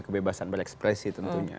kebebasan berekspresi tentunya